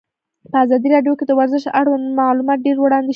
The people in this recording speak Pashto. په ازادي راډیو کې د ورزش اړوند معلومات ډېر وړاندې شوي.